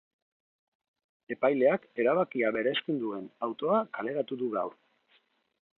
Epaileak erabakia berresten duen autoa kaleratu du gaur.